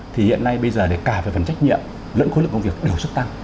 thì hiện nay bây giờ cả về phần trách nhiệm lẫn khối lực công việc đều sức tăng